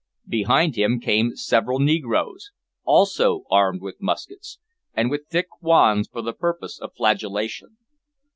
Behind him came several negroes, also armed with muskets, and with thick wands for the purpose of flagellation.